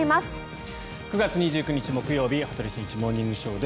９月２９日、木曜日「羽鳥慎一モーニングショー」。